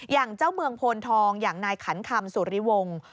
อย่างเจ้าเมืองโพนทองอย่างนายขันคำสุริวงศ์